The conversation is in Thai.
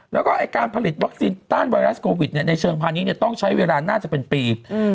แล้วก็การผลิตวัคซีนต้านไวรัสโควิดในเชิงพาณิชยต้องใช้เวลาน่าจะเป็นปี